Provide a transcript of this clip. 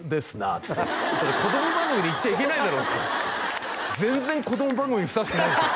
っつってそれ子供番組で言っちゃいけないだろって全然子供番組にふさわしくないんですよ